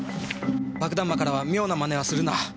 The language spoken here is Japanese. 爆弾魔からは「妙な真似はするな」